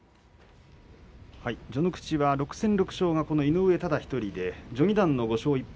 序ノ口は６戦６勝が井上ただ１人で序二段の５勝１敗